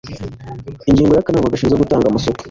ingingo ya akanama gashinzwe gutanga amasoko